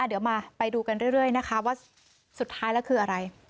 เดี๋ยวมาไปดูกันเรื่อยนะคะว่าสุดท้ายแล้วคืออะไร